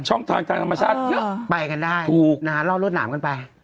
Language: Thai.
ช่องทางธรรมชาติไปกันได้รอรถหนามกันไป